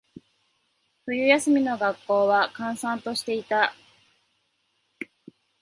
冬休みの学校は、閑散としていた。